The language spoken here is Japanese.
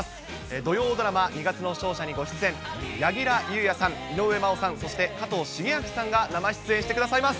土曜ドラマ、二月の勝者に出演、柳楽優弥さん、井上真央さん、そして加藤シゲアキさんが生出演してくださいます。